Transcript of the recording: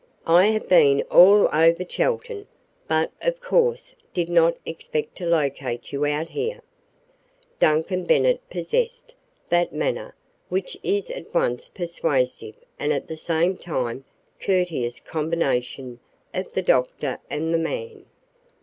"I have been all over Chelton, but of course did not expect to locate you out here." Duncan Bennet possessed that manner which is at once persuasive and at the same time courteous combination of the doctor and the man.